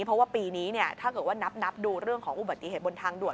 เพราะว่าปีนี้ถ้าเกิดว่านับดูเรื่องของอุบัติเหตุบนทางด่วน